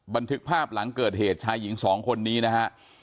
บันทึกภาพหลังเกิดเหตุชายหญิงสองคนนี้นะฮะ